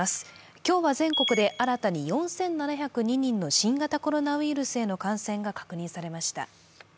今日は全国で新たに４７０２人の新型コロナウイルスへの感染が確認されました。